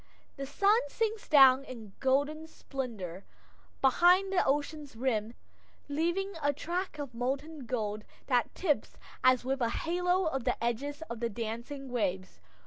The sun sinks down in golden splendor behind the ocean's rim, leaving a track of molten gold that tips as with a halo the edges of the dancing waves.